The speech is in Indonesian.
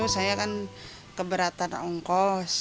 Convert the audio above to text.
saya kan keberatan ongkos